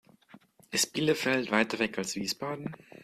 Ist Bielefeld weiter weg als Wiesbaden?